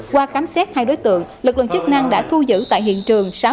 qua khám xét hai đối tượng lực lượng chức năng đã thu giữ tại hiện trường